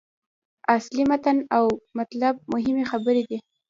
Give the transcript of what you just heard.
اصلي متن او مطلب مهمې برخې دي.